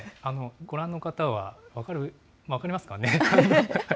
ご覧の方は、分かりますかね。